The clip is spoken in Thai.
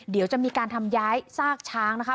เดี๋ยวจะมีการทำย้ายซากช้างนะคะ